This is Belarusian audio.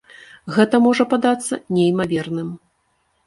Гэта можа падацца неймаверным.